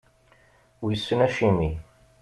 Wissen acimi.